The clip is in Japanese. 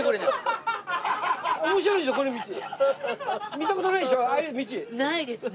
見た事ないでしょ？